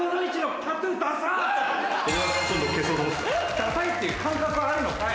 ダサいっていう感覚はあるのかい！